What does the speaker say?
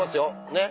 ねっ。